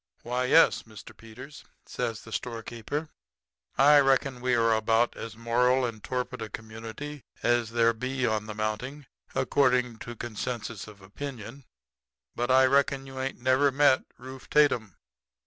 "'Why, yes, Mr. Peters,' says the storekeeper. 'I reckon we air about as moral and torpid a community as there be on the mounting, according to censuses of opinion; but I reckon you ain't ever met Rufe Tatum.'